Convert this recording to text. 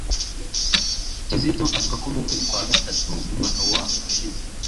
Kizito avuga ko mu kwezi kwa gatatu mu mwaka wa ushize,